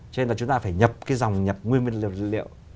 cho nên là chúng ta phải nhập cái dòng nhập nguyên liệu